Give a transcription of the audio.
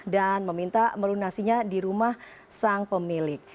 dan meminta melunasinya di rumah sang pemilik